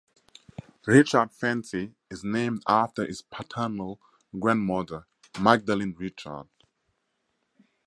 Richard Fancy is named after his paternal grandmother, Magdelene Richard.